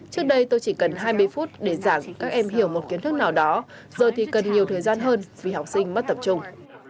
trước đây tôi chỉ cần hai mươi phút để các em hiểu một kiến thức nào đó giờ thì cần nhiều thời gian hơn vì học sinh mất tập trung